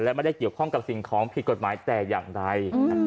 และไม่ได้เกี่ยวข้องกับสิ่งของผิดกฎหมายแต่อย่างใด